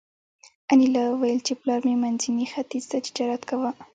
انیلا وویل چې پلار مې منځني ختیځ ته تجارت کاوه